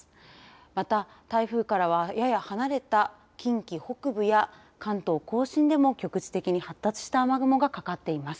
また、台風からはやや離れた近畿北部や関東甲信でも局地的に発達した雨雲がかかっています。